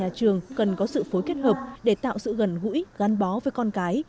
các nhà trường cần có sự phối kết hợp để tạo sự gần gũi gắn bó với con cái